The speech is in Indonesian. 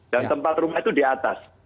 dan tempat rumah itu di atas